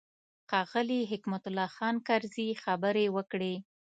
ښاغلي حکمت الله خان کرزي خبرې وکړې.